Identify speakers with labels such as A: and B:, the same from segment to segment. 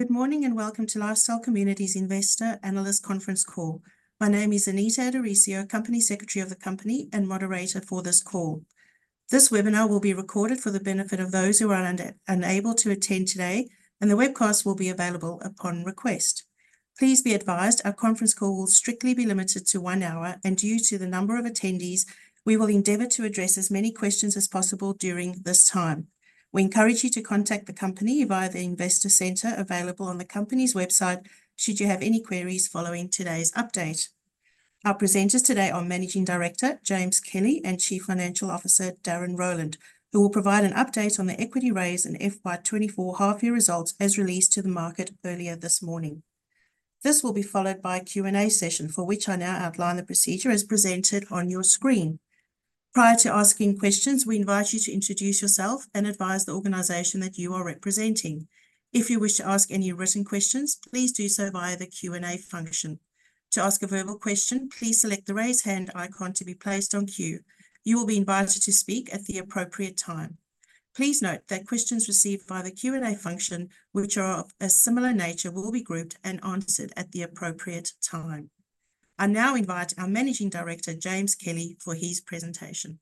A: Good morning, and welcome to Lifestyle Communities Investor Analyst Conference Call. My name is Anita Addorisio, company secretary of the company and moderator for this call. This webinar will be recorded for the benefit of those who are unable to attend today, and the webcast will be available upon request. Please be advised, our conference call will strictly be limited to one hour, and due to the number of attendees, we will endeavor to address as many questions as possible during this time. We encourage you to contact the company via the Investor Centre available on the company's website, should you have any queries following today's update. Our presenters today are Managing Director, James Kelly, and Chief Financial Officer, Darren Rowland, who will provide an update on the equity raise and FY 2024 half-year results as released to the market earlier this morning. This will be followed by a Q&A session, for which I now outline the procedure as presented on your screen. Prior to asking questions, we invite you to introduce yourself and advise the organization that you are representing. If you wish to ask any written questions, please do so via the Q&A function. To ask a verbal question, please select the Raise Hand icon to be placed on queue. You will be invited to speak at the appropriate time. Please note that questions received via the Q&A function, which are of a similar nature, will be grouped and answered at the appropriate time. I now invite our Managing Director, James Kelly, for his presentation.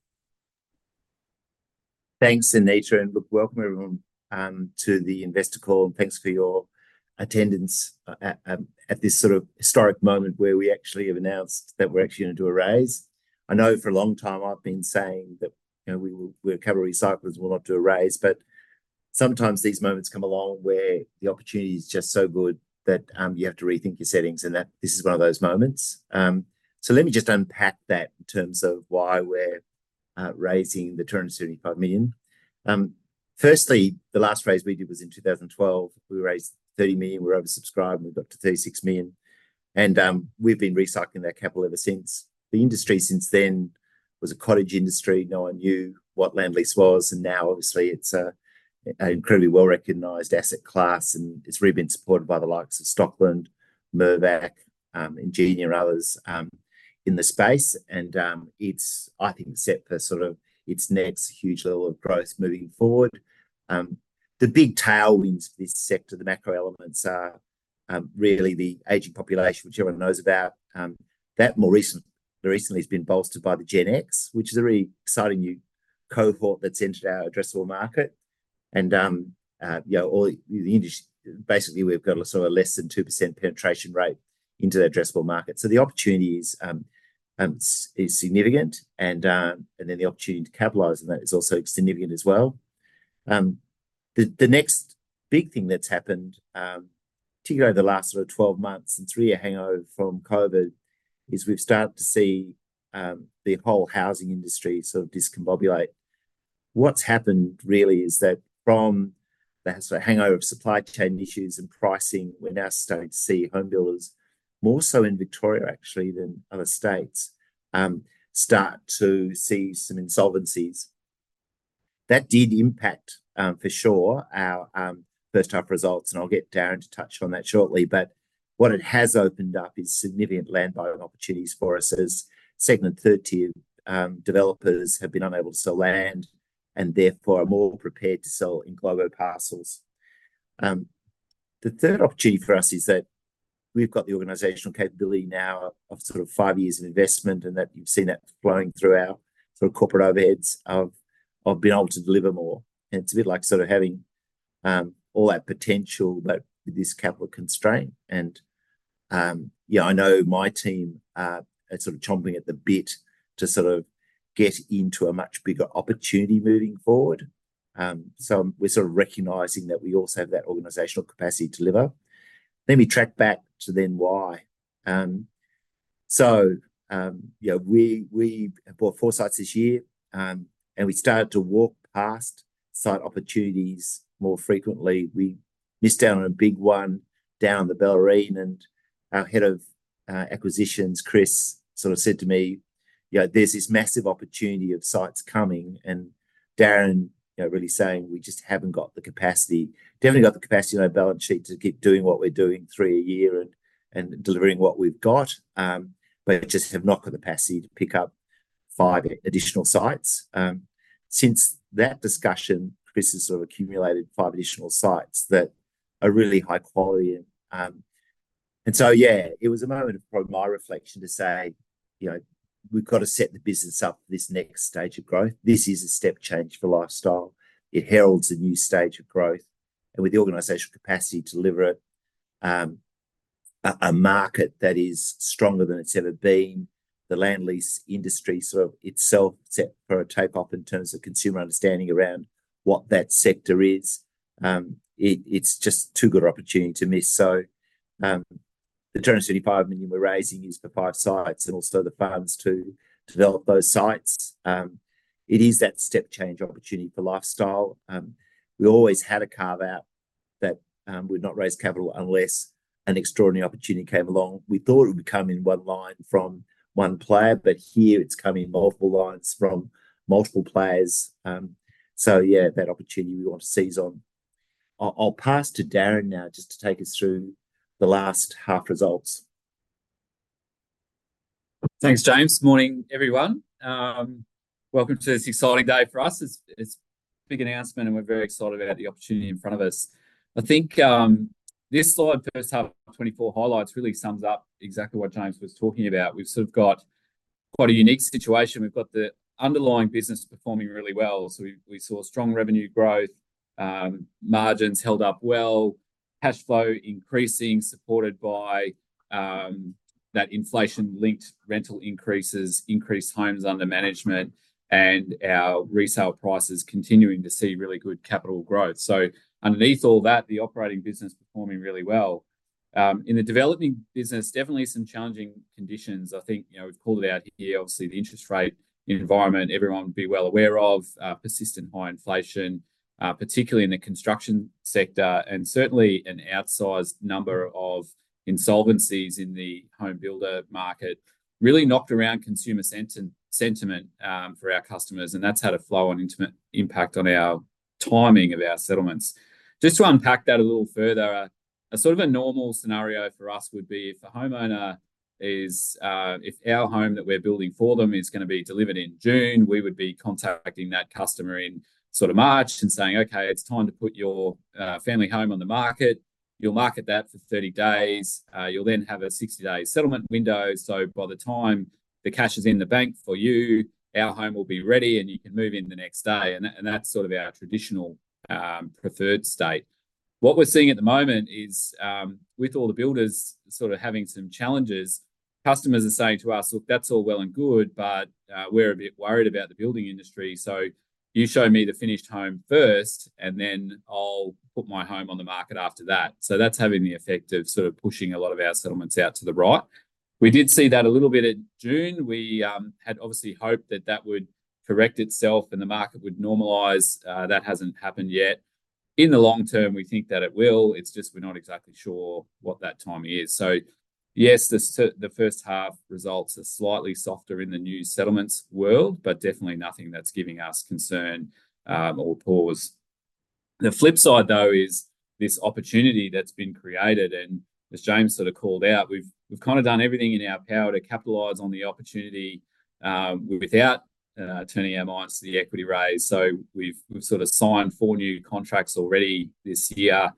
B: Thanks, Anita, and look, welcome everyone, to the investor call, and thanks for your attendance at, at this sort of historic moment where we actually have announced that we're actually going to do a raise. I know for a long time I've been saying that, you know, we will, we're capital recyclers, we'll not do a raise, but sometimes these moments come along where the opportunity is just so good that, you have to rethink your settings, and that this is one of those moments. So let me just unpack that in terms of why we're raising the 275 million. Firstly, the last raise we did was in 2012. We raised 30 million. We were oversubscribed, and we got to 36 million, and, we've been recycling that capital ever since. The industry since then was a cottage industry. No one knew what land lease was, and now obviously it's an incredibly well-recognized asset class, and it's really been supported by the likes of Stockland, Mirvac, and Ingenia, and others in the space. It's, I think, set for sort of its next huge level of growth moving forward. The big tailwinds for this sector, the macro elements are really the aging population, which everyone knows about. That more recently has been bolstered by the Gen X, which is a really exciting new cohort that's entered our addressable market. You know, basically, we've got a sort of less than 2% penetration rate into the addressable market. So the opportunity is significant, and then the opportunity to capitalize on that is also significant as well. The next big thing that's happened, particularly over the last sort of 12 months and 3-year hangover from COVID, is we've started to see the whole housing industry sort of discombobulate. What's happened really, is that from the sort of hangover of supply chain issues and pricing, we're now starting to see home builders, more so in Victoria, actually, than other states, start to see some insolvencies. That did impact, for sure, our first half results, and I'll get Darren to touch on that shortly. But what it has opened up is significant land buying opportunities for us as second and third tier developers have been unable to sell land, and therefore, are more prepared to sell in englobo parcels. The third opportunity for us is that we've got the organizational capability now of sort of five years of investment, and that you've seen that flowing through our sort of corporate overheads of being able to deliver more. And it's a bit like sort of having all that potential, but with this capital constraint and I know my team is sort of chomping at the bit to sort of get into a much bigger opportunity moving forward. So we're sort of recognizing that we also have that organizational capacity to deliver. Let me track back to then why. So, yeah, we, we bought four sites this year, and we started to walk past site opportunities more frequently. We missed out on a big one down the Bellarine, and our Head of Acquisitions, Chris, sort of said to me, "You know, there's this massive opportunity of sites coming," and Darren, you know, really saying, "We just haven't got the capacity. Definitely got the capacity on our balance sheet to keep doing what we're doing through a year and, and delivering what we've got, but we just have not got the capacity to pick up five additional sites." Since that discussion, Chris has sort of accumulated five additional sites that are really high quality. Yeah, it was a moment of probably my reflection to say, "You know, we've got to set the business up for this next stage of growth." This is a step change for Lifestyle. It heralds a new stage of growth, and with the organizational capacity to deliver it, a market that is stronger than it's ever been, the land lease industry sort of itself set for a takeoff in terms of consumer understanding around what that sector is. It, it's just too good an opportunity to miss. So, the 275 million we're raising is for five sites and also the funds to develop those sites. It is that step change opportunity for Lifestyle. We always had a carve-out that we'd not raise capital unless an extraordinary opportunity came along. We thought it would come in one line from one player, but here it's come in multiple lines from multiple players. So yeah, that opportunity we want to seize on. I'll pass to Darren now, just to take us through the last half results....
C: Thanks, James. Morning, everyone. Welcome to this exciting day for us. It's a big announcement, and we're very excited about the opportunity in front of us. I think, this slide, first half of 2024 highlights, really sums up exactly what James was talking about. We've sort of got quite a unique situation. We've got the underlying business performing really well. So we saw strong revenue growth, margins held up well, cash flow increasing, supported by, that inflation-linked rental increases, increased homes under management, and our resale prices continuing to see really good capital growth. So underneath all that, the operating business performing really well. In the developing business, definitely some challenging conditions. I think, you know, we've called it out here. Obviously, the interest rate environment, everyone would be well aware of, persistent high inflation, particularly in the construction sector, and certainly an outsized number of insolvencies in the home builder market really knocked around consumer sentiment, for our customers, and that's had a flow on immediate impact on our timing of our settlements. Just to unpack that a little further, a sort of a normal scenario for us would be if a homeowner is. If our home that we're building for them is gonna be delivered in June, we would be contacting that customer in sort of March and saying, "Okay, it's time to put your family home on the market. You'll market that for 30 days. You'll then have a 60-day settlement window, so by the time the cash is in the bank for you, our home will be ready, and you can move in the next day. And that's sort of our traditional preferred state. What we're seeing at the moment is, with all the builders sort of having some challenges, customers are saying to us, "Look, that's all well and good, but, we're a bit worried about the building industry, so you show me the finished home first, and then I'll put my home on the market after that." So that's having the effect of sort of pushing a lot of our settlements out to the right. We did see that a little bit in June. We had obviously hoped that that would correct itself and the market would normalize. That hasn't happened yet. In the long term, we think that it will, it's just we're not exactly sure what that timing is. So yes, the first half results are slightly softer in the new settlements world, but definitely nothing that's giving us concern, or pause. The flip side, though, is this opportunity that's been created, and as James sort of called out, we've, we've kind of done everything in our power to capitalize on the opportunity, without turning our minds to the equity raise. So we've, we've sort of signed four new contracts already this year.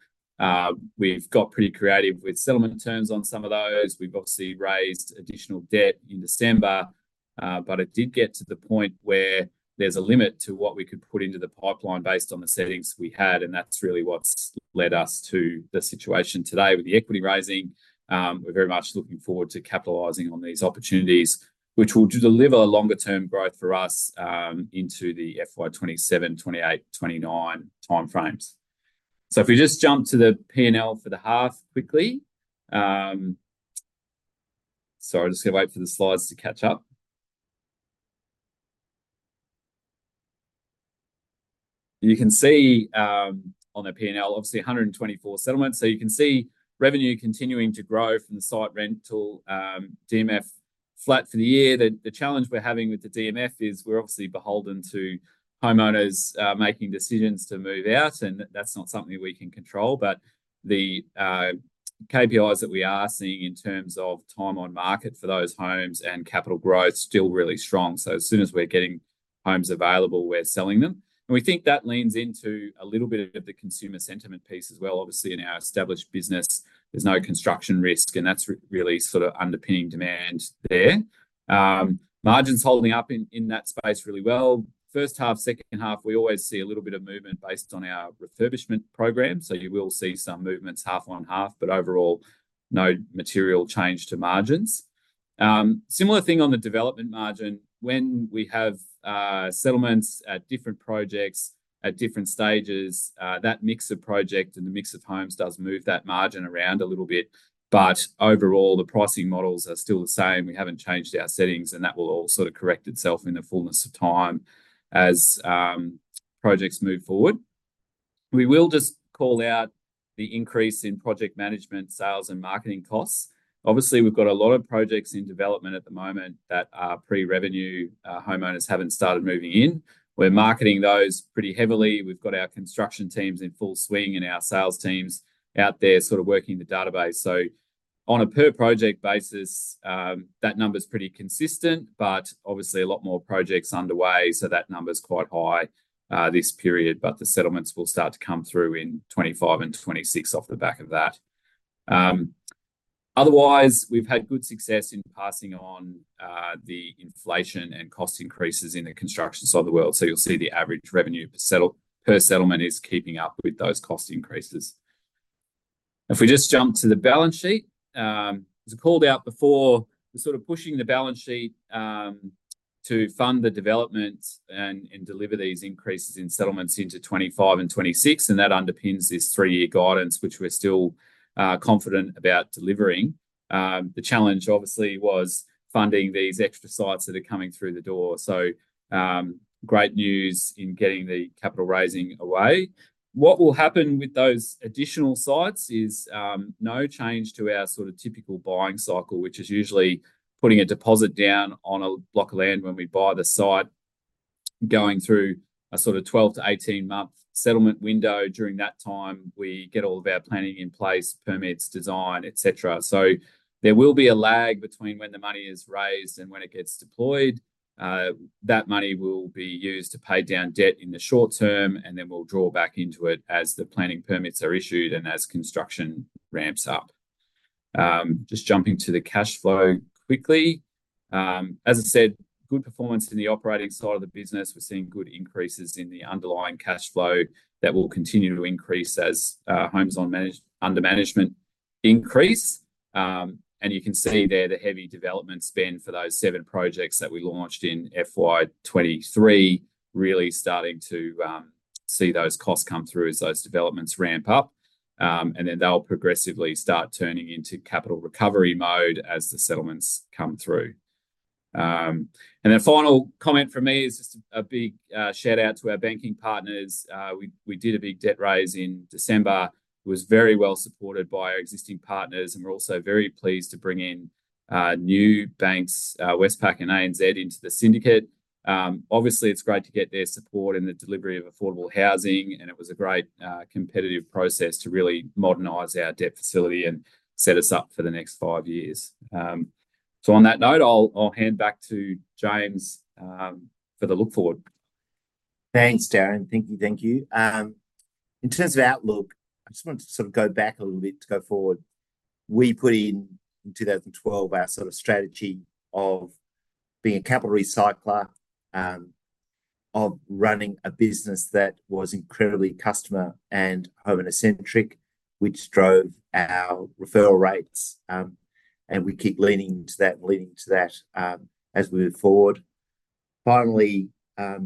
C: We've got pretty creative with settlement terms on some of those. We've obviously raised additional debt in December, but it did get to the point where there's a limit to what we could put into the pipeline based on the settings we had, and that's really what's led us to the situation today. With the equity raising, we're very much looking forward to capitalizing on these opportunities, which will deliver longer-term growth for us, into the FY 2027, 2028, 2029 timeframes. So if we just jump to the P&L for the half quickly. Sorry, I'm just gonna wait for the slides to catch up. You can see, on the P&L, obviously 124 settlements. So you can see revenue continuing to grow from the site rental, DMF flat for the year. The challenge we're having with the DMF is we're obviously beholden to homeowners making decisions to move out, and that's not something we can control. But the KPIs that we are seeing in terms of time on market for those homes and capital growth still really strong. So as soon as we're getting homes available, we're selling them, and we think that leans into a little bit of the consumer sentiment piece as well. Obviously, in our established business, there's no construction risk, and that's really sort of underpinning demand there. Margins holding up in that space really well. First half, second half, we always see a little bit of movement based on our refurbishment program. So you will see some movements half on half, but overall, no material change to margins. Similar thing on the development margin. When we have settlements at different projects, at different stages, that mix of project and the mix of homes does move that margin around a little bit, but overall, the pricing models are still the same. We haven't changed our settings, and that will all sort of correct itself in the fullness of time as projects move forward. We will just call out the increase in project management, sales, and marketing costs. Obviously, we've got a lot of projects in development at the moment that are pre-revenue, homeowners haven't started moving in. We're marketing those pretty heavily. We've got our construction teams in full swing and our sales teams out there sort of working the database. So on a per project basis, that number's pretty consistent, but obviously a lot more projects underway, so that number's quite high this period, but the settlements will start to come through in 2025 and 2026 off the back of that. Otherwise, we've had good success in passing on the inflation and cost increases in the construction side of the world. So you'll see the average revenue per settlement is keeping up with those cost increases. If we just jump to the balance sheet, as I called out before, we're sort of pushing the balance sheet to fund the development and deliver these increases in settlements into 2025 and 2026, and that underpins this three-year guidance, which we're still confident about delivering. The challenge obviously was funding these extra sites that are coming through the door, so great news in getting the capital raising away. What will happen with those additional sites is no change to our sort of typical buying cycle, which is usually putting a deposit down on a block of land when we buy the site, going through a sort of 12-18-month settlement window. During that time, we get all of our planning in place, permits, design, et cetera. So there will be a lag between when the money is raised and when it gets deployed. That money will be used to pay down debt in the short term, and then we'll draw back into it as the planning permits are issued and as construction ramps up. Just jumping to the cash flow quickly. As I said, good performance in the operating side of the business. We're seeing good increases in the underlying cash flow that will continue to increase as homes under management increase. And you can see there the heavy development spend for those seven projects that we launched in FY 2023, really starting to see those costs come through as those developments ramp up. And then they'll progressively start turning into capital recovery mode as the settlements come through. And then final comment from me is just a big shout-out to our banking partners. We did a big debt raise in December, was very well supported by our existing partners, and we're also very pleased to bring in new banks, Westpac and ANZ, into the syndicate. Obviously, it's great to get their support in the delivery of affordable housing, and it was a great competitive process to really modernize our debt facility and set us up for the next five years. So on that note, I'll hand back to James for the look forward.
B: Thanks, Darren. Thank you, thank you. In terms of outlook, I just want to sort of go back a little bit to go forward. We put in, in 2012, our sort of strategy of being a capital recycler, of running a business that was incredibly customer and homeowner-centric, which drove our referral rates. And we keep leaning into that and leaning into that, as we move forward. Finally, you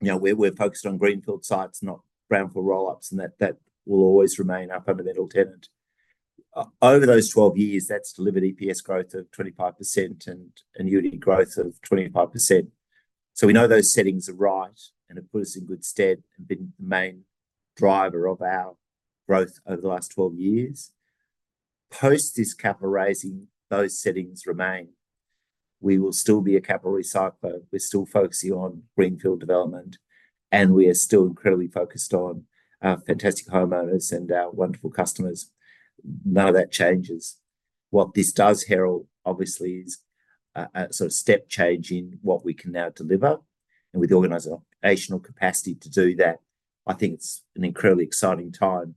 B: know, we're, we're focused on greenfield sites, not brownfield roll-ups, and that, that will always remain our fundamental tenet. Over those 12 years, that's delivered EPS growth of 25% and annuity growth of 25%. So we know those settings are right and have put us in good stead and been the main driver of our growth over the last 12 years. Post this capital raising, those settings remain. We will still be a capital recycler. We're still focusing on greenfield development, and we are still incredibly focused on our fantastic homeowners and our wonderful customers. None of that changes. What this does herald, obviously, is a sort of step change in what we can now deliver and with the organizational capacity to do that. I think it's an incredibly exciting time.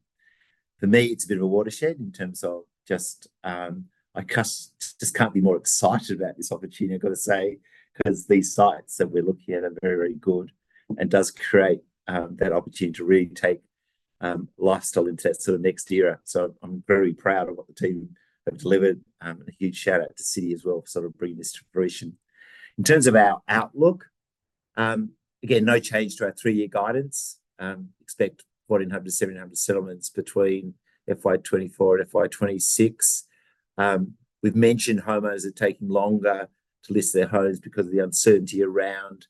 B: For me, it's a bit of a watershed in terms of just can't be more excited about this opportunity, I've got to say, 'cause these sites that we're looking at are very, very good and does create that opportunity to really take Lifestyling to the next era. So I'm very proud of what the team have delivered and a huge shout-out to Citi as well for sort of bringing this to fruition. In terms of our outlook, again, no change to our three-year guidance. Expect 1,400-1,700 settlements between FY 2024 and FY 2026. We've mentioned homeowners are taking longer to list their homes because of the uncertainty around,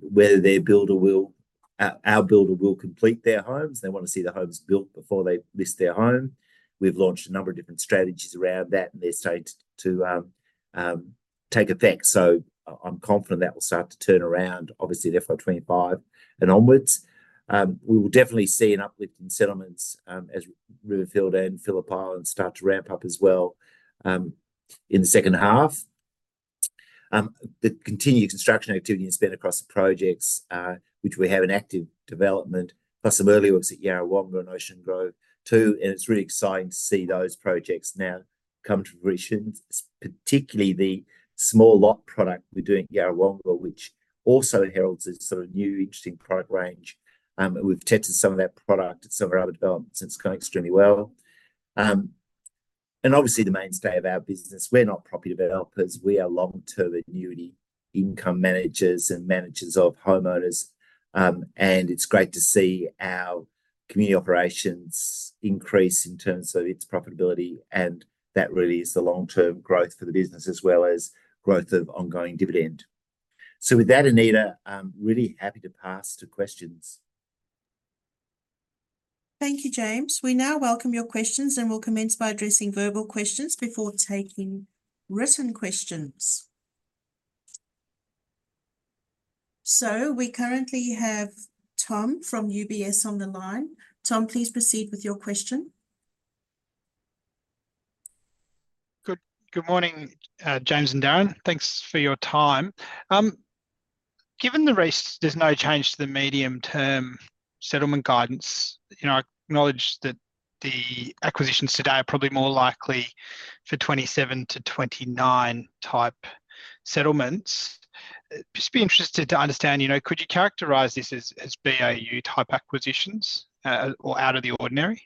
B: whether their builder will, our builder will complete their homes. They want to see the homes built before they list their home. We've launched a number of different strategies around that, and they're starting to, take effect, so I, I'm confident that will start to turn around, obviously in FY 2025 and onwards. We will definitely see an uplift in settlements, as Riverfield and Phillip Island start to ramp up as well, in the second half. The continued construction activity and spend across the projects, which we have in active development, plus some early works at Yarrawonga and Ocean Grove too, and it's really exciting to see those projects now come to fruition. Particularly the small lot product we're doing at Yarrawonga, which also heralds a sort of new interesting product range. We've tested some of that product at some of our other developments, and it's going extremely well. And obviously, the mainstay of our business, we're not property developers, we are long-term annuity income managers and managers of homeowners. And it's great to see our community operations increase in terms of its profitability, and that really is the long-term growth for the business as well as growth of ongoing dividend. So with that, Anita, I'm really happy to pass to questions.
A: Thank you, James. We now welcome your questions, and we'll commence by addressing verbal questions before taking written questions. So we currently have Tom from UBS on the line. Tom, please proceed with your question.
D: Good, good morning, James and Darren. Thanks for your time. Given the risk, there's no change to the medium-term settlement guidance, you know, I acknowledge that the acquisitions today are probably more likely for 27-29 type settlements. Just be interested to understand, you know, could you characterize this as, as BAU-type acquisitions, or out of the ordinary?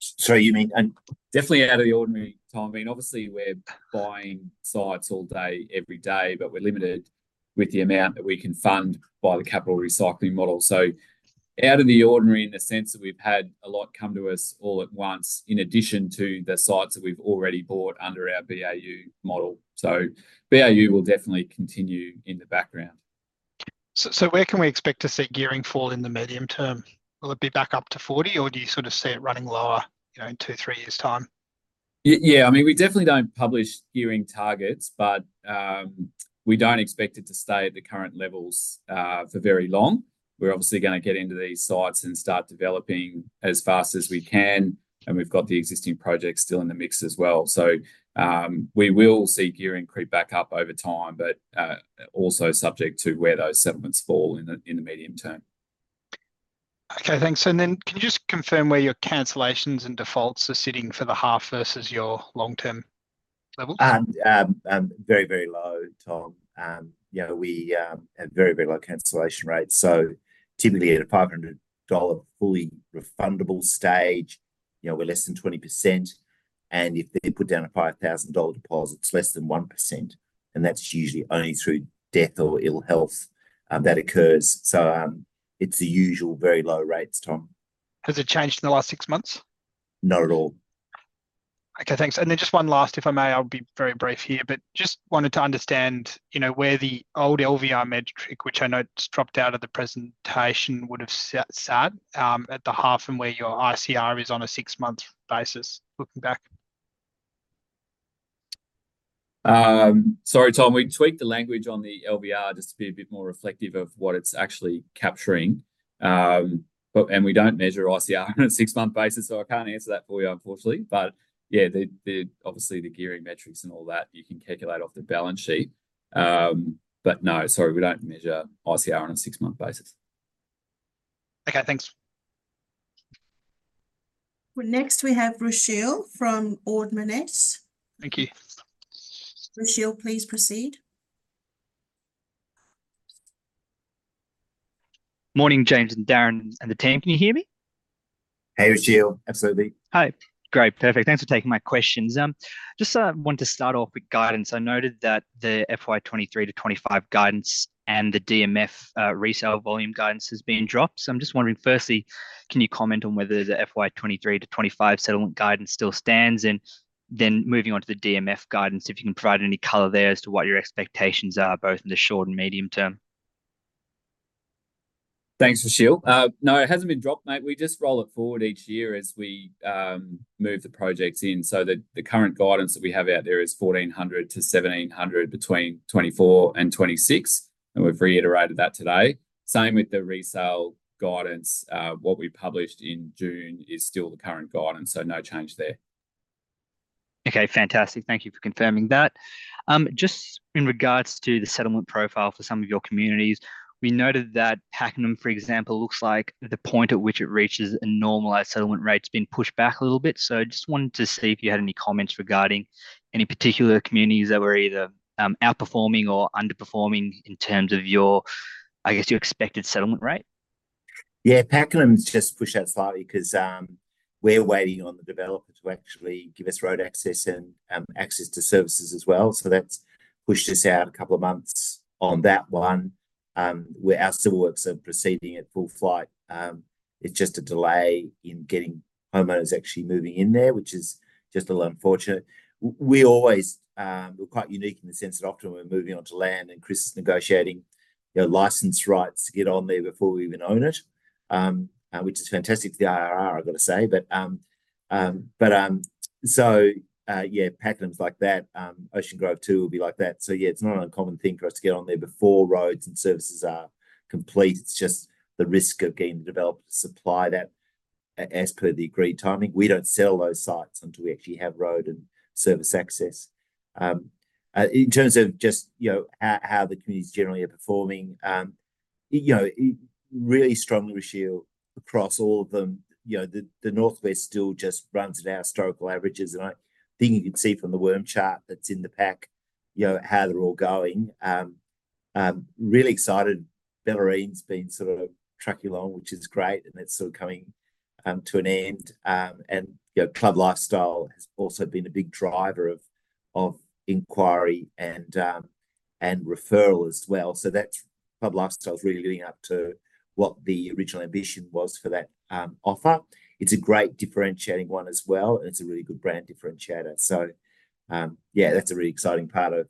B: Sorry, you mean...
C: Definitely out of the ordinary, Tom. I mean, obviously, we're buying sites all day, every day, but we're limited with the amount that we can fund by the capital recycling model. So out of the ordinary in the sense that we've had a lot come to us all at once, in addition to the sites that we've already bought under our BAU model. So BAU will definitely continue in the background.
D: So where can we expect to see gearing fall in the medium term? Will it be back up to 40, or do you sort of see it running lower, you know, in 2-3 years' time?
C: Yeah, I mean, we definitely don't publish gearing targets, but, we don't expect it to stay at the current levels, for very long. We're obviously gonna get into these sites and start developing as fast as we can, and we've got the existing projects still in the mix as well. So, we will see gearing creep back up over time, but, also subject to where those settlements fall in the medium term.
D: Okay, thanks. And then can you just confirm where your cancellations and defaults are sitting for the half versus your long-term level?
B: Very, very low, Tom. You know, we have very, very low cancellation rates, so typically at a 500 dollar fully refundable stage, you know, we're less than 20%, and if they put down a 5,000 dollar deposit, it's less than 1%, and that's usually only through death or ill health that occurs. So, it's the usual very low rates, Tom.
D: Has it changed in the last six months?
B: Not at all.
D: Okay, thanks. And then just one last, if I may, I'll be very brief here, but just wanted to understand, you know, where the old LVR metric, which I know it's dropped out of the presentation, would've sat at the half, and where your ICR is on a six-month basis looking back?
C: Sorry, Tom. We tweaked the language on the LVR just to be a bit more reflective of what it's actually capturing. But we don't measure ICR on a six-month basis, so I can't answer that for you, unfortunately. But yeah, obviously the gearing metrics and all that, you can calculate off the balance sheet. But no, sorry, we don't measure ICR on a six-month basis.
D: Okay, thanks.
A: Well, next we have Rushil from Ord Minnett.
E: Thank you.
A: Rushil, please proceed.
E: Morning, James and Darren and the team. Can you hear me?
B: Hey, Rushil. Absolutely.
E: Hi. Great, perfect. Thanks for taking my questions. Just, wanted to start off with guidance. I noted that the FY 2023-2025 guidance and the DMF, resale volume guidance has been dropped. So I'm just wondering, firstly, can you comment on whether the FY 2023-2025 settlement guidance still stands? And then moving on to the DMF guidance, if you can provide any color there as to what your expectations are, both in the short and medium term?
C: Thanks, Rushil. No, it hasn't been dropped, mate. We just roll it forward each year as we move the projects in. So the current guidance that we have out there is 1400 to 1700 between 2024 and 2026, and we've reiterated that today. Same with the resale guidance. What we published in June is still the current guidance, so no change there.
E: Okay, fantastic. Thank you for confirming that. Just in regards to the settlement profile for some of your communities, we noted that Pakenham, for example, looks like the point at which it reaches a normalized settlement rate's been pushed back a little bit. Just wanted to see if you had any comments regarding any particular communities that were either outperforming or underperforming in terms of your, I guess, your expected settlement rate?
B: Yeah, Pakenham's just pushed out slightly 'cause we're waiting on the developer to actually give us road access and access to services as well, so that's pushed us out a couple of months on that one. Our civil works are proceeding at full flight. It's just a delay in getting homeowners actually moving in there, which is just a little unfortunate. We always... We're quite unique in the sense that often we're moving onto land, and Chris is negotiating, you know, license rights to get on there before we even own it, which is fantastic for the IRR, I've got to say. But, so, yeah, Pakenham's like that. Ocean Grove too will be like that. So yeah, it's not an uncommon thing for us to get on there before roads and services are complete. It's just the risk of getting the developer to supply that as per the agreed timing. We don't sell those sites until we actually have road and service access. In terms of just, you know, how the communities generally are performing, you know, it really strongly, Rushil, across all of them, you know, the Northwest still just runs at our historical averages, and I think you can see from the worm chart that's in the pack, you know, how they're all going. Really excited, Bellarine's been sort of tracking along, which is great, and that's sort of coming to an end. And, you know, Club Lifestyle has also been a big driver of enquiry and referral as well. So that's, Club Lifestyle is really living up to what the original ambition was for that offer. It's a great differentiating one as well, and it's a really good brand differentiator. So, yeah, that's a really exciting part of,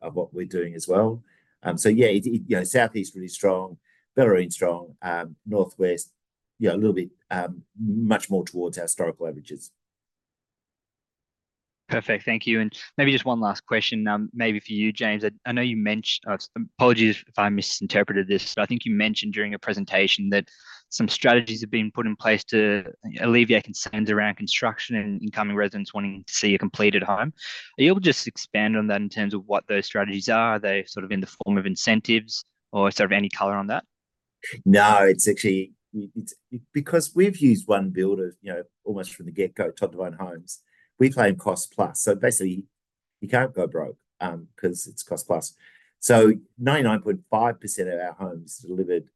B: of what we're doing as well. So yeah, it, you know, Southeast really strong, Bellarine strong, Northwest, yeah, a little bit, much more towards our historical averages.
E: Perfect. Thank you. Maybe just one last question, maybe for you, James. I know you mentioned, apologies if I misinterpreted this, but I think you mentioned during a presentation that some strategies have been put in place to alleviate concerns around construction and incoming residents wanting to see a completed home. Are you able just expand on that in terms of what those strategies are? Are they sort of in the form of incentives, or sort of any color on that?
B: No, it's actually because we've used one builder, you know, almost from the get-go, Todd Devine Homes, we claim cost plus. So basically, you can't go broke, 'cause it's cost plus. So 99.5% of our homes delivered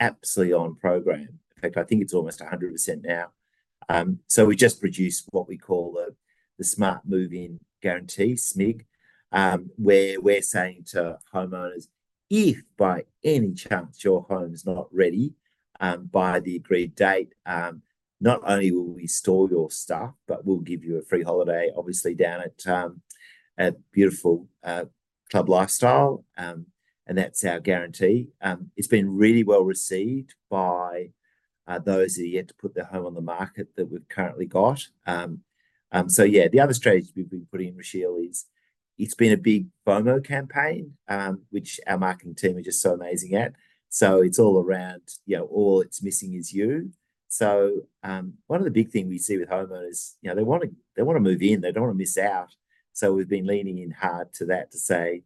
B: absolutely on program. In fact, I think it's almost 100% now. So we just produced what we call the Smart Move In Guarantee, SMIG, where we're saying to homeowners, "If by any chance your home is not ready by the agreed date, not only will we store your stuff, but we'll give you a free holiday, obviously down at beautiful Club Lifestyle, and that's our guarantee." It's been really well-received by those that are yet to put their home on the market that we've currently got. So yeah, the other strategy we've been putting, Rushil, is it's been a big FOMO campaign, which our marketing team are just so amazing at. So it's all around, you know, all it's missing is you. So, one of the big thing we see with homeowners, you know, they wanna, they wanna move in, they don't wanna miss out. So we've been leaning in hard to that to say,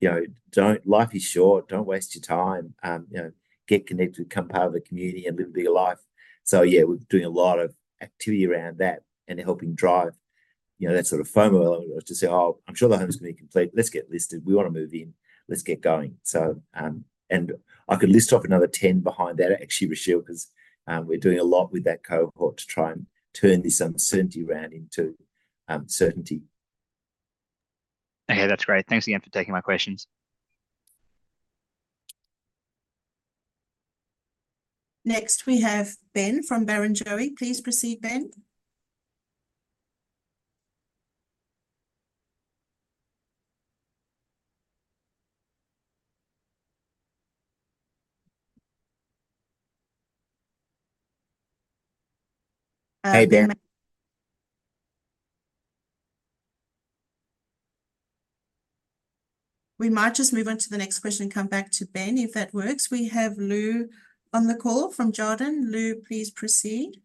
B: you know, "Don't- life is short, don't waste your time. You know, get connected, become part of the community, and live a bigger life." So yeah, we're doing a lot of activity around that and helping drive, you know, that sort of FOMO element to say, "Oh, I'm sure the home's gonna be complete. Let's get listed. We wanna move in. Let's get going." So, and I could list off another 10 behind that actually, Rushil, 'cause, we're doing a lot with that cohort to try and turn this uncertainty around into certainty.
E: Okay, that's great. Thanks again for taking my questions.
A: Next, we have Ben from Barrenjoey. Please proceed, Ben.
B: Hey, Ben.
A: We might just move on to the next question and come back to Ben, if that works. We have Lou on the call from Jarden. Lou, please proceed.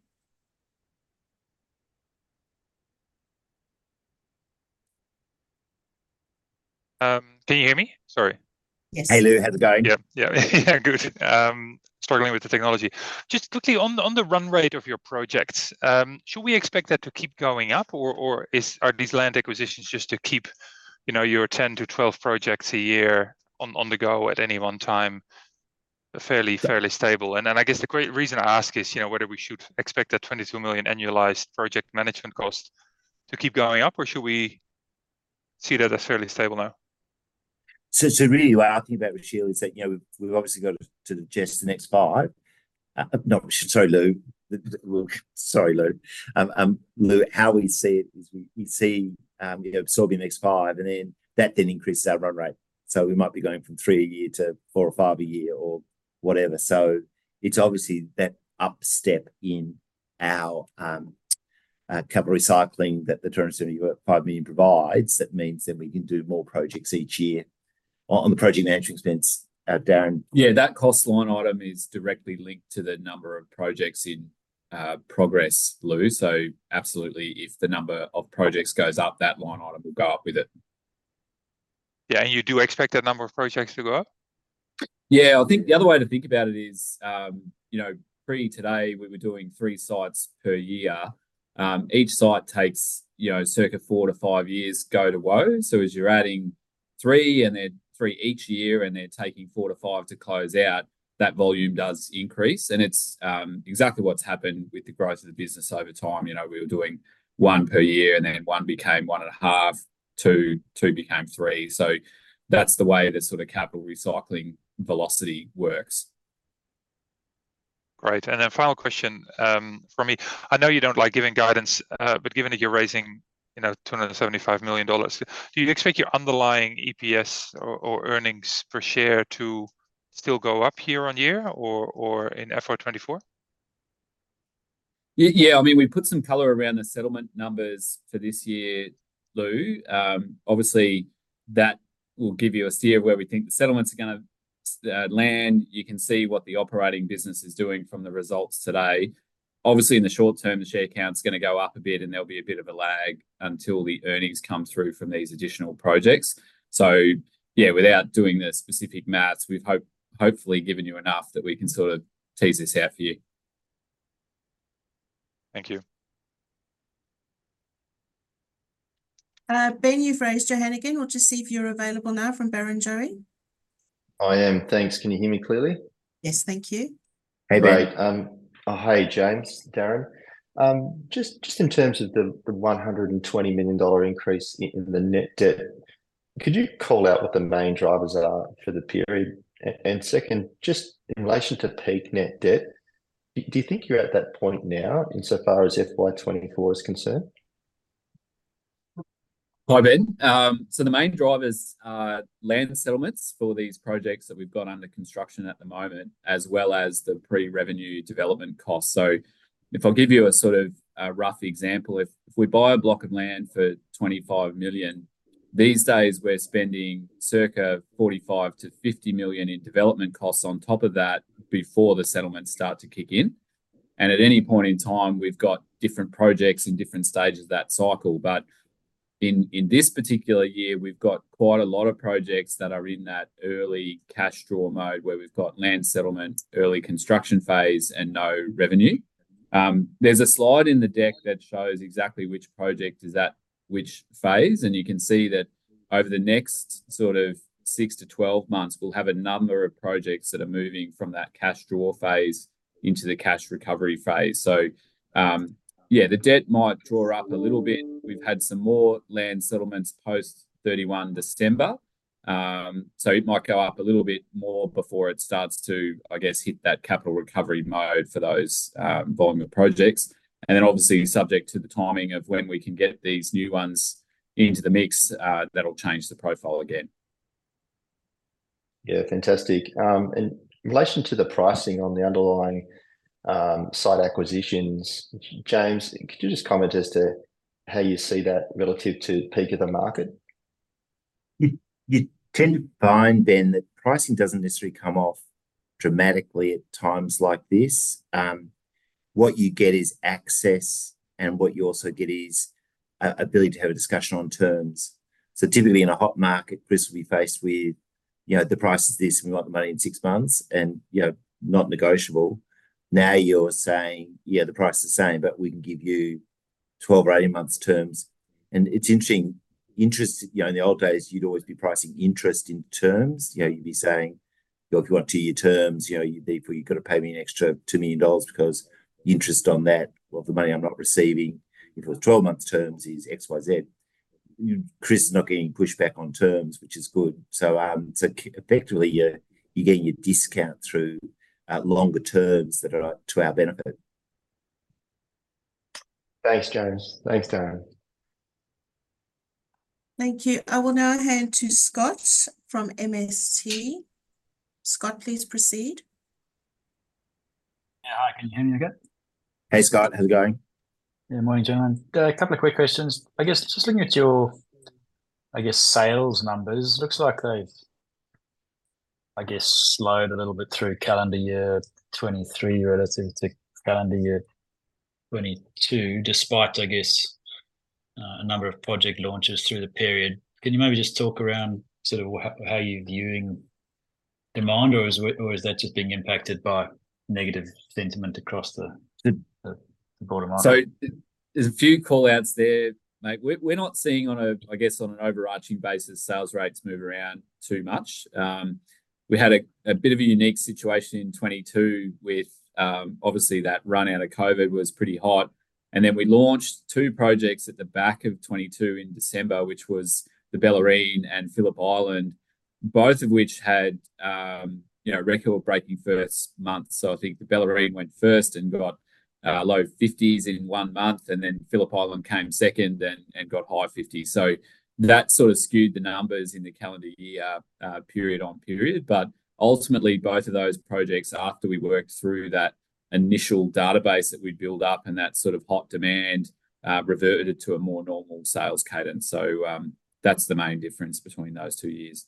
F: Can you hear me? Sorry.
A: Yes.
B: Hey, Lou. How's it going?
F: Yeah, yeah. Good. Struggling with the technology. Just quickly, on the run rate of your projects, should we expect that to keep going up, or are these land acquisitions just to keep, you know, your 10-12 projects a year on the go at any one time, fairly stable? And then I guess the great reason I ask is, you know, whether we should expect that 22 million annualized project management cost to keep going up, or should we see that as fairly stable now?
B: So really what I think about, Rushil, is that, you know, we've obviously got to digest the next 5. No, sorry, Lou. Sorry, Lou. Lou, how we see it is we see, you know, absorbing the next 5, and then that increases our run rate. So we might be going from 3 a year to 4 or 5 a year or whatever. So it's obviously that up step in our capital recycling that the term 75 million provides, that means that we can do more projects each year. On the project management expense, Darren?
C: Yeah, that cost line item is directly linked to the number of projects in progress, Lou. So absolutely, if the number of projects goes up, that line item will go up with it.
F: Yeah, and you do expect the number of projects to go up?
C: Yeah, I think the other way to think about it is, you know, pre-today, we were doing three sites per year. Each site takes, you know, circa four-five years go to whoa. So as you're adding three and then three each year, and they're taking four-five to close out, that volume does increase, and it's, exactly what's happened with the growth of the business over time. You know, we were doing one per year, and then one became 1.5, two, two became three. So that's the way the sort of capital recycling velocity works.
F: Great. Then final question from me. I know you don't like giving guidance, but given that you're raising, you know, 275 million dollars, do you expect your underlying EPS or earnings per share to still go up year-on-year or in FY 2024?
C: Yeah, I mean, we've put some color around the settlement numbers for this year, Lou. Obviously, that will give you a steer of where we think the settlements are gonna land. You can see what the operating business is doing from the results today. Obviously, in the short term, the share count's gonna go up a bit, and there'll be a bit of a lag until the earnings come through from these additional projects. So yeah, without doing the specific math, we've hopefully given you enough that we can sort of tease this out for you.
F: Thank you.
A: Ben, you've raised your hand again. We'll just see if you're available now from Barrenjoey.
G: I am. Thanks. Can you hear me clearly?
A: Yes, thank you.
B: Hey, Ben.
G: Great. Oh, hi, James, Darren. Just in terms of the 120 million dollar increase in the net debt, could you call out what the main drivers are for the period? Second, just in relation to peak net debt, do you think you're at that point now insofar as FY 2024 is concerned?
C: Hi, Ben. So the main drivers are land settlements for these projects that we've got under construction at the moment, as well as the pre-revenue development cost. So if I'll give you a sort of a rough example, if we buy a block of land for 25 million, these days we're spending circa 45 million-50 million in development costs on top of that, before the settlements start to kick in. And at any point in time, we've got different projects in different stages of that cycle. But in this particular year, we've got quite a lot of projects that are in that early cash draw mode, where we've got land settlement, early construction phase, and no revenue. There's a slide in the deck that shows exactly which project is at which phase, and you can see that over the next sort of 6-12 months, we'll have a number of projects that are moving from that cash draw phase into the cash recovery phase. So, yeah, the debt might draw up a little bit. We've had some more land settlements post 31 December, so it might go up a little bit more before it starts to, I guess, hit that capital recovery mode for those volume of projects. And then obviously subject to the timing of when we can get these new ones into the mix, that'll change the profile again.
G: Yeah, fantastic. In relation to the pricing on the underlying, site acquisitions, James, could you just comment as to how you see that relative to peak of the market?
B: You tend to find, Ben, that pricing doesn't necessarily come off dramatically at times like this. What you get is access, and what you also get is ability to have a discussion on terms. So typically in a hot market, Chris will be faced with, you know, the price is this, and we want the money in six months, and, you know, not negotiable. Now you're saying, "Yeah, the price is the same, but we can give you 12 or 18 months terms," and it's interesting. Interest—you know, in the old days, you'd always be pricing interest in terms. You know, you'd be saying, "Well, if you want two-year terms, you know, you've got to pay me an extra 2 million dollars, because interest on that, well, the money I'm not receiving if it was 12 months terms, is XYZ." Chris is not getting pushback on terms, which is good. So, effectively, you're getting your discount through longer terms that are to our benefit.
G: Thanks, James. Thanks, Darren.
A: Thank you. I will now hand to Scott from MST. Scott, please proceed.
H: Yeah, hi, can you hear me okay?
B: Hey, Scott. How's it going?
H: Yeah, morning, gentlemen. A couple of quick questions. I guess, just looking at your, I guess, sales numbers, looks like they've, I guess, slowed a little bit through calendar year 2023 relative to calendar year 2022, despite, I guess, a number of project launches through the period. Can you maybe just talk around sort of how you're viewing demand, or is that just being impacted by negative sentiment across the broader market?
C: So there's a few call-outs there. Like, we're not seeing on a, I guess, on an overarching basis, sales rates move around too much. We had a bit of a unique situation in 2022 with obviously that run out of COVID was pretty hot. And then we launched two projects at the back of 2022 in December, which was the Bellarine and Phillip Island, both of which had, you know, record-breaking first months. So I think the Bellarine went first and got low 50s in one month, and then Phillip Island came second and got high 50s. So that sort of skewed the numbers in the calendar year period-on-period. But ultimately, both of those projects, after we worked through that initial database that we'd built up and that sort of hot demand, reverted to a more normal sales cadence. That's the main difference between those two years.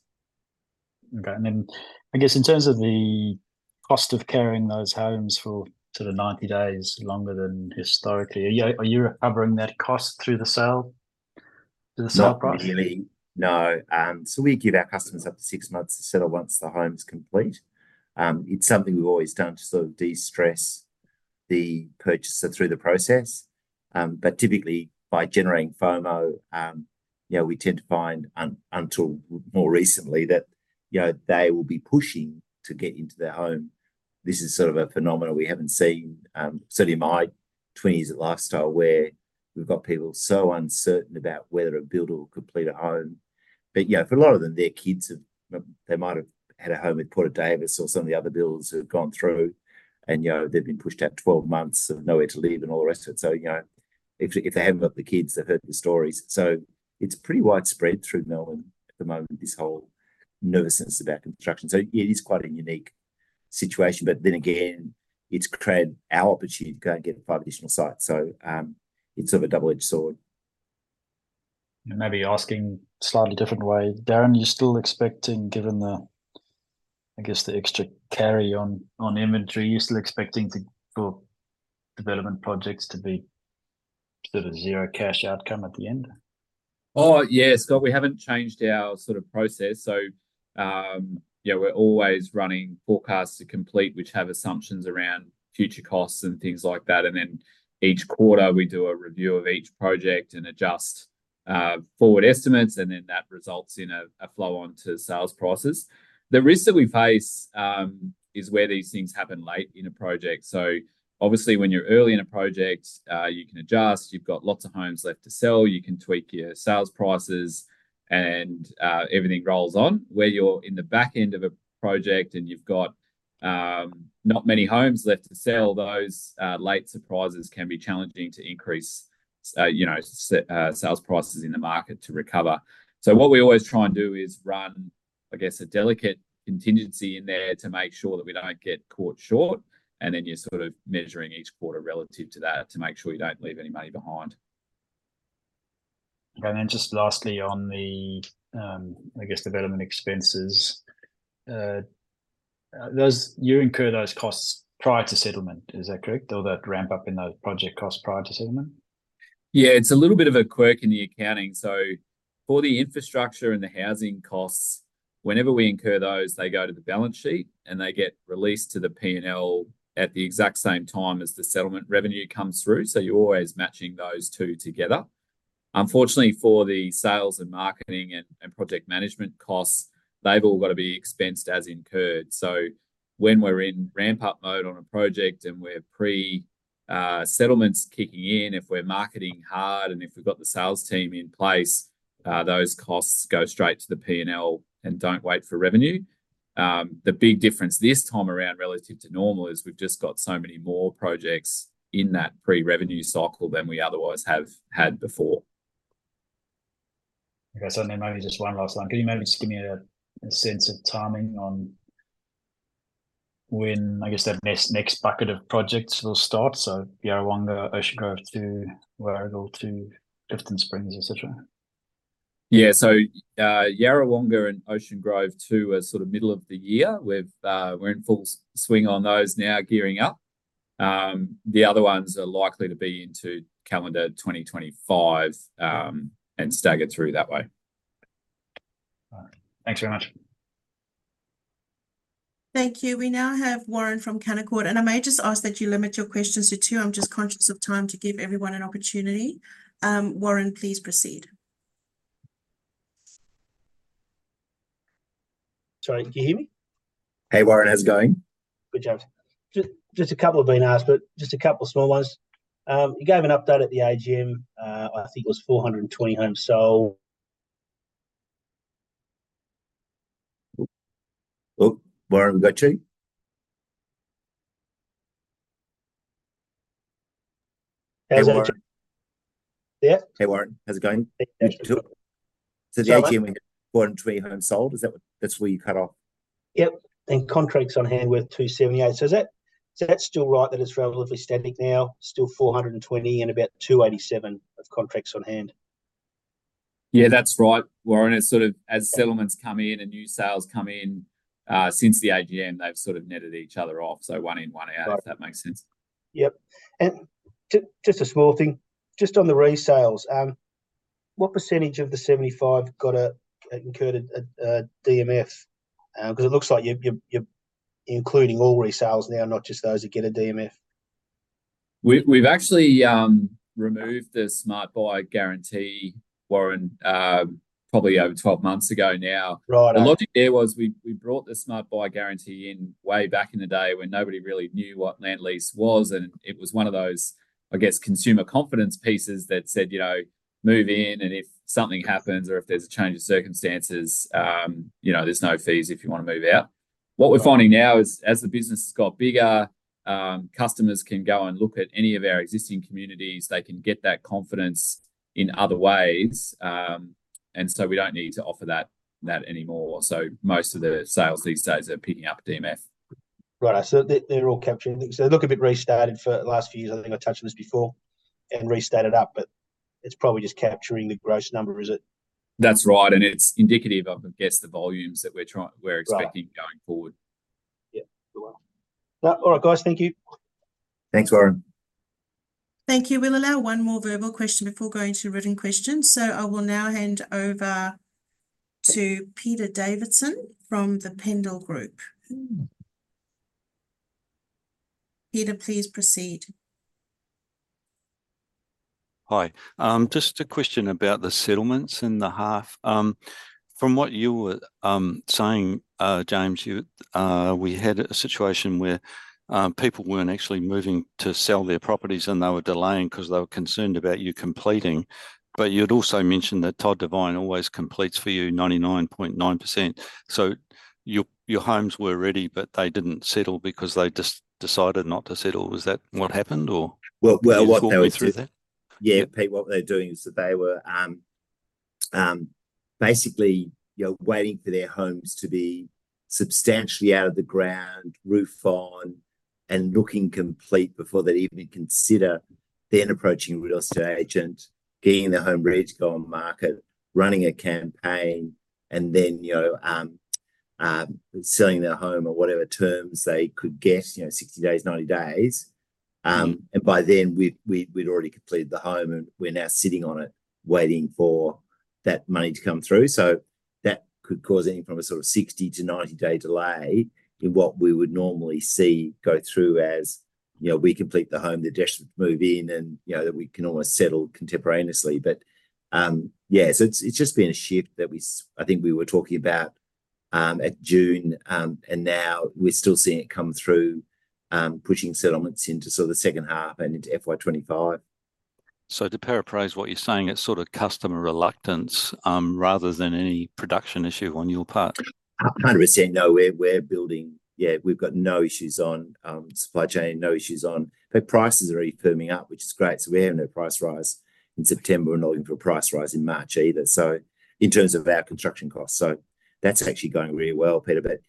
H: Okay. And then I guess in terms of the cost of carrying those homes for sort of 90 days longer than historically, are you, are you recovering that cost through the sale, through the sale price?
B: Not really, no. So we give our customers up to six months to settle once the home's complete. It's something we've always done to sort of de-stress the purchaser through the process. But typically by generating FOMO, you know, we tend to find until more recently that, you know, they will be pushing to get into their home. This is sort of a phenomenon we haven't seen, certainly in my 20 years at Lifestyle, where we've got people so uncertain about whether to build or complete a home. But, you know, for a lot of them, their kids have... They might have had a home with Porter Davis or some of the other builds who've gone through and, you know, they've been pushed out 12 months, so nowhere to live and all the rest of it. So, you know, if, if they haven't got the kids, they've heard the stories. So it's pretty widespread through Melbourne at the moment, this whole nervousness about construction. So it is quite a unique situation, but then again, it's created our opportunity to go and get five additional sites, so it's sort of a double-edged sword.
H: Maybe asking slightly different way. Darren, are you still expecting, given the, I guess, the extra carry on, on inventory, are you still expecting for development projects to be sort of zero cash outcome at the end?
C: Oh, yes, Scott, we haven't changed our sort of process. So, you know, we're always running forecasts to complete, which have assumptions around future costs and things like that, and then each quarter we do a review of each project and adjust forward estimates, and then that results in a flow-on to sales prices. The risk that we face is where these things happen late in a project. So obviously when you're early in a project, you can adjust, you've got lots of homes left to sell, you can tweak your sales prices, and everything rolls on. Where you're in the back end of a project and you've got not many homes left to sell, those late surprises can be challenging to increase, you know, sales prices in the market to recover. What we always try and do is run, I guess, a delicate contingency in there to make sure that we don't get caught short, and then you're sort of measuring each quarter relative to that to make sure you don't leave any money behind.
H: And then just lastly, on the, I guess, development expenses, those... You incur those costs prior to settlement, is that correct? Or that ramp up in those project costs prior to settlement?
C: Yeah, it's a little bit of a quirk in the accounting. So for the infrastructure and the housing costs, whenever we incur those, they go to the balance sheet, and they get released to the P&L at the exact same time as the settlement revenue comes through, so you're always matching those two together. Unfortunately, for the sales and marketing and project management costs, they've all got to be expensed as incurred. So when we're in ramp-up mode on a project and we're pre-settlements kicking in if we're marketing hard, and if we've got the sales team in place, those costs go straight to the P&L and don't wait for revenue. The big difference this time around relative to normal is we've just got so many more projects in that pre-revenue cycle than we otherwise have had before.
H: Okay, so then maybe just one last one. Can you maybe just give me a sense of timing on when, I guess, that next bucket of projects will start? So Yarrawonga, Ocean Grove two, Werribee two, Clifton Springs, et cetera.
C: Yeah. So, Yarrawonga and Ocean Grove two are sort of middle of the year. We've... we're in full swing on those now, gearing up. The other ones are likely to be into calendar 2025, and staggered through that way.
H: All right. Thanks very much.
A: Thank you. We now have Warren from Canaccord, and I may just ask that you limit your questions to two. I'm just conscious of time, to give everyone an opportunity. Warren, please proceed.
I: Sorry, can you hear me?
B: Hey, Warren. How's it going?
I: Good, James. Just a couple have been asked, but just a couple of small ones. You gave an update at the AGM. I think it was 420 homes sold.
B: Oh, Warren, we got you?
I: As a-
B: Hey, Warren.
I: Yeah.
B: Hey, Warren. How's it going?
I: Thank you.
B: The AGM we had 420 homes sold, is that what... That's where you cut off?
I: Yep, and contracts on hand were 278. So is that, so that's still right, that it's relatively static now, still 420 and about 287 of contracts on hand?
C: Yeah, that's right, Warren. It's sort of as settlements come in and new sales come in, since the AGM, they've sort of netted each other off, so one in, one out-
I: Right...
C: if that makes sense.
I: Yep, and just a small thing, just on the resales, what percentage of the 75 incurred a DMF? Because it looks like you're including all resales now, not just those that get a DMF.
C: We've actually removed the Smart Move In Guarantee, Warren, probably over 12 months ago now.
I: Right.
C: The logic there was we brought the Smart Move In Guarantee in way back in the day when nobody really knew what land lease was, and it was one of those, I guess, consumer confidence pieces that said, you know, "Move in, and if something happens or if there's a change of circumstances, you know, there's no fees if you wanna move out.
I: Right.
C: What we're finding now is, as the business has got bigger, customers can go and look at any of our existing communities. They can get that confidence in other ways, and so we don't need to offer that, that anymore. So most of the sales these days are picking up DMF.
I: Right, so they're, they're all capturing. So they look a bit restated for the last few years, I think I touched on this before, and restated up, but it's probably just capturing the gross number, is it?
C: That's right, and it's indicative of, I guess, the volumes that we're expecting.
I: Right...
C: going forward.
I: Yeah. Well, all right, guys, thank you.
B: Thanks, Warren.
A: Thank you. We'll allow one more verbal question before going to written questions, so I will now hand over to Peter Davidson from the Pendal Group. Peter, please proceed.
J: Hi. Just a question about the settlements in the half. From what you were saying, James, you, we had a situation where people weren't actually moving to sell their properties, and they were delaying because they were concerned about you completing. But you'd also mentioned that Todd Devine always completes for you 99.9%. So your, your homes were ready, but they didn't settle because they just decided not to settle. Was that what happened or-
B: Well, well, what they were doing-
J: Can you talk me through that?
B: Yeah, Pete, what they were doing is that they were basically, you know, waiting for their homes to be substantially out of the ground, roof on, and looking complete before they'd even consider then approaching a real estate agent, getting their home ready to go on the market, running a campaign, and then, you know, selling their home at whatever terms they could get, you know, 60 days, 90 days.
J: Mm.
B: And by then, we'd already completed the home, and we're now sitting on it, waiting for that money to come through. So that could cause anything from a sort of 60-90 day delay in what we would normally see go through as, you know, we complete the home, the tenants move in, and, you know, that we can almost settle contemporaneously. But, yeah, so it's just been a shift that we—I think we were talking about at June, and now we're still seeing it come through, pushing settlements into sort of the second half and into FY 2025.
J: So to paraphrase what you're saying, it's sort of customer reluctance, rather than any production issue on your part?
B: 100%, no, we're building. Yeah, we've got no issues on supply chain, no issues on. But prices are already firming up, which is great, so we have no price rise in September. We're not in for a price rise in March either, so in terms of our construction costs. So that's actually going really well, Peter. But,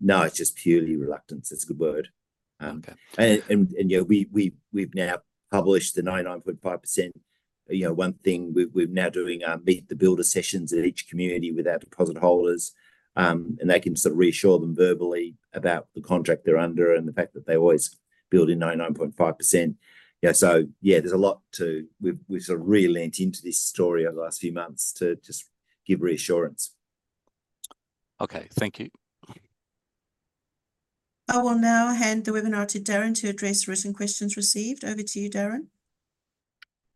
B: no, it's just purely reluctance. That's a good word.
J: Okay.
B: And, you know, we, we've now published the 99.5%. You know, one thing we're now doing, meet-the-builder sessions in each community with our deposit holders. And that can sort of reassure them verbally about the contract they're under and the fact that they're always building 99.5%. Yeah, so, yeah, there's a lot to... We've sort of re-leant into this story over the last few months to just give reassurance.
J: Okay. Thank you.
A: I will now hand the webinar to Darren to address written questions received. Over to you, Darren. ...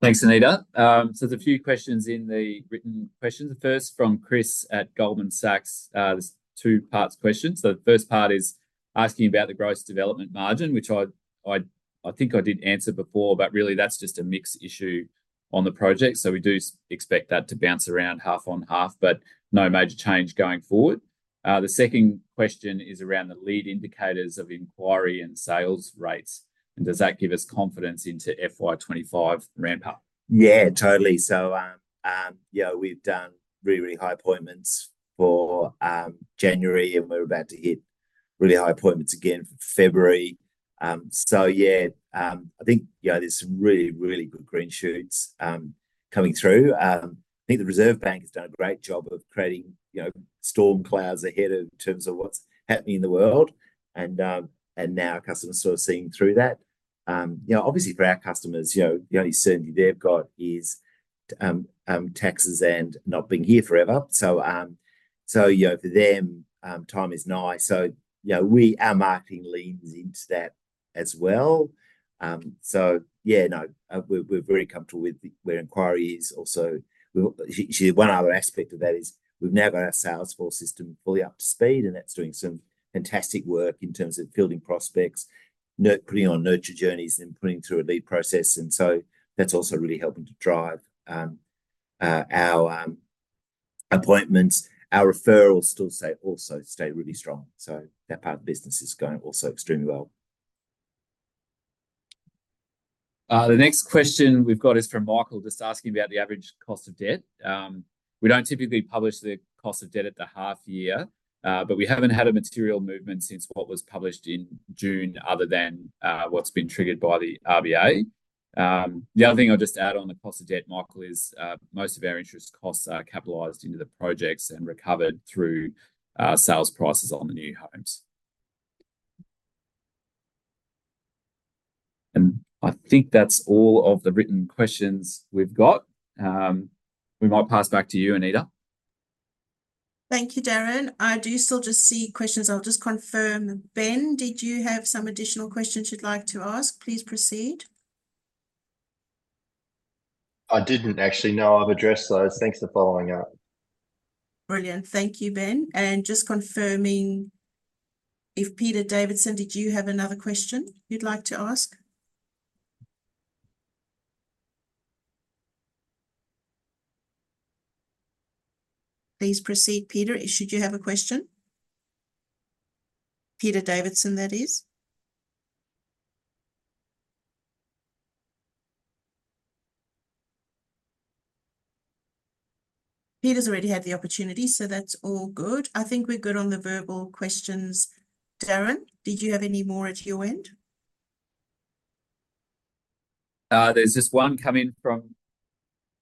C: Thanks, Anita. So there's a few questions in the written questions. The first from Chris at Goldman Sachs. There's two parts question. So the first part is asking about the gross development margin, which I think I did answer before, but really that's just a mix issue on the project. So we do expect that to bounce around half on half, but no major change going forward. The second question is around the lead indicators of enquiry and sales rates, and does that give us confidence into FY 2025 ramp up?
B: Yeah, totally. So, yeah, we've done really, really high appointments for January, and we're about to hit really high appointments again for February. So yeah, I think, you know, there's some really, really good green shoots coming through. I think the Reserve Bank has done a great job of creating, you know, storm clouds ahead in terms of what's happening in the world, and now customers sort of seeing through that. You know, obviously for our customers, you know, the only certainty they've got is taxes and not being here forever. So, you know, for them, time is now. So, you know, we- our marketing leans into that as well. So yeah, no, we're, we're very comfortable with where enquiry is also. One other aspect of that is, we've now got our Salesforce system fully up to speed, and that's doing some fantastic work in terms of fielding prospects, putting on nurture journeys and putting through a lead process. And so that's also really helping to drive our appointments. Our referrals still also stay really strong, so that part of the business is going also extremely well.
C: The next question we've got is from Michael, just asking about the average cost of debt. We don't typically publish the cost of debt at the half year, but we haven't had a material movement since what was published in June other than what's been triggered by the RBA. The other thing I'll just add on the cost of debt, Michael, is most of our interest costs are capitalized into the projects and recovered through sales prices on the new homes. I think that's all of the written questions we've got. We might pass back to you, Anita.
A: Thank you, Darren. I do still just see questions. I'll just confirm. Ben, did you have some additional questions you'd like to ask? Please proceed.
G: I didn't actually. No, I've addressed those. Thanks for following up.
A: Brilliant. Thank you, Ben. And just confirming, Peter Davidson, did you have another question you'd like to ask? Please proceed, Peter, should you have a question? Peter Davidson, that is. Peter's already had the opportunity, so that's all good. I think we're good on the verbal questions. Darren, did you have any more at your end?
C: There's just one coming from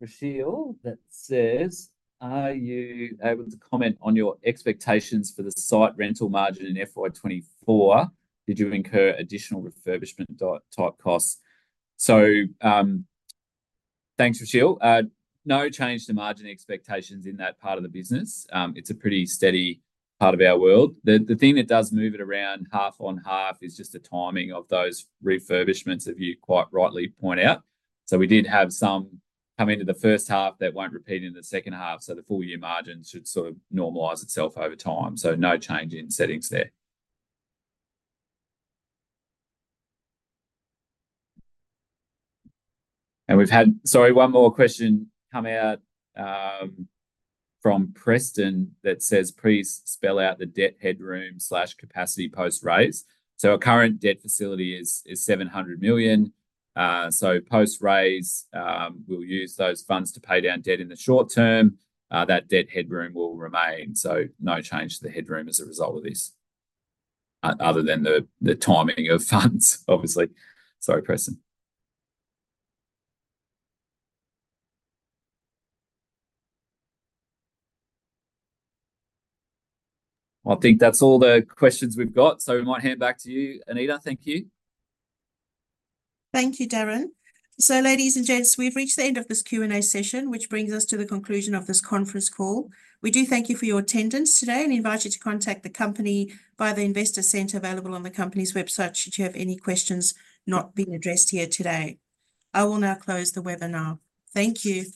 C: Rushil that says: Are you able to comment on your expectations for the site rental margin in FY 2024? Did you incur additional refurbishment-type costs? So, thanks, Rushil. No change to margin expectations in that part of the business. It's a pretty steady part of our world. The thing that does move it around half on half is just the timing of those refurbishments that you quite rightly point out. So we did have some come into the first half that won't repeat in the second half, so the full year margin should sort of normalize itself over time. So no change in settings there. And we've had... Sorry, one more question come out from Preston that says, "Please spell out the debt headroom/capacity post-raise." So our current debt facility is 700 million. So post-raise, we'll use those funds to pay down debt in the short term. That debt headroom will remain, so no change to the headroom as a result of this, other than the timing of funds, obviously. Sorry, Preston. I think that's all the questions we've got, so we might hand back to you, Anita. Thank you.
A: Thank you, Darren. Ladies and gents, we've reached the end of this Q&A session, which brings us to the conclusion of this conference call. We do thank you for your attendance today and invite you to contact the company by the Investor Centre available on the company's website, should you have any questions not been addressed here today. I will now close the webinar. Thank you.